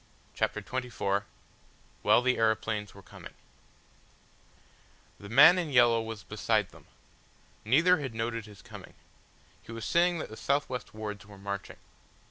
CHAPTER XXIV WHILE THE AEROPLANES WERE COMING The man in yellow was beside them. Neither had noted his coming. He was saying that the south west wards were marching.